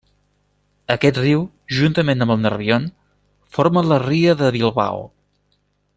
Aquest riu, juntament amb el Nerbion, forma la ria de Bilbao.